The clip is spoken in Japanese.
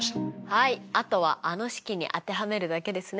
はいあとはあの式に当てはめるだけですね。